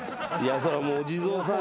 それはもうお地蔵さん。